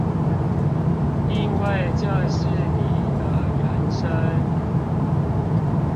因為這是你的人生